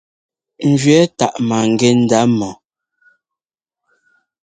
Ŋjʉɛ́ táʼ maŋgɛ́ ndá mɔ.